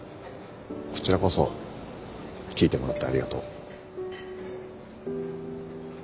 こちらこそ聞いてもらってありがとう。